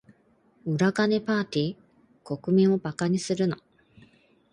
裏金パーティ？国民を馬鹿にするな。